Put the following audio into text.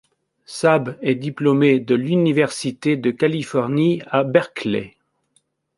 Sab est diplômé de l'Université de Californie à Berkeley.